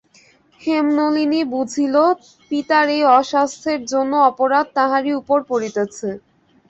হেমনলিনী বুঝিল, পিতার এই অস্বাসেথ্যর জন্য অপরাধ তাহারই উপরে পড়িতেছে।